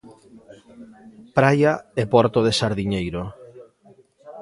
Praia e porto de Sardiñeiro.